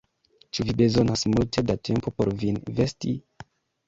Ĉu vi bezonas multe da tempo por vin vesti?